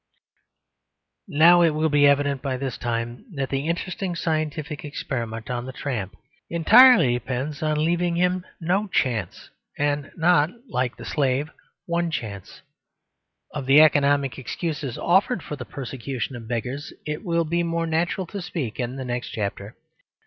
Now it will be evident by this time that the interesting scientific experiment on the tramp entirely depends on leaving him no chance, and not (like the slave) one chance. Of the economic excuses offered for the persecution of beggars it will be more natural to speak in the next chapter.